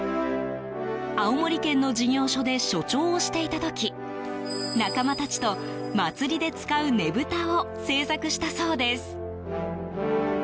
青森県の事業所で所長をしていた時、仲間たちと祭りで使うねぶたを制作したそうです。